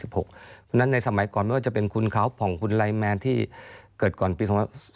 เพราะฉะนั้นในสมัยก่อนไม่ว่าจะเป็นคุณเขาผ่องคุณไลแมนที่เกิดก่อนปี๒๔